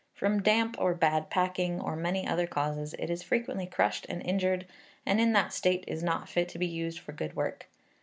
From damp, or bad packing, or many other causes, it is frequently crushed and injured, and in that state is not fit to be used for good work.